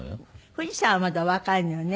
藤さんはまだお若いのよね？